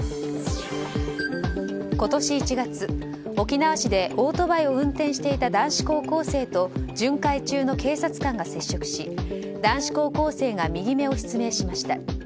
今年１月、沖縄市でオートバイを運転していた男子高校生と巡回中の警察官が接触し男子高校生が右目を失明しました。